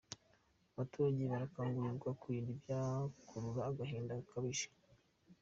Abaturage barakangurirwa kwirinda ibyabakururira agahinda gakabije